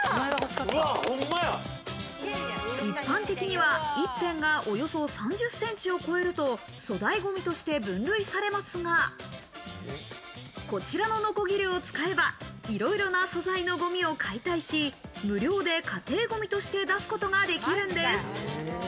一般的には一辺がおよそ３０センチを超えると粗大ゴミとして分類されますが、こちらののこぎりを使えば、いろいろな素材のゴミを解体し、無料で家庭ごみとして出すことができるんです。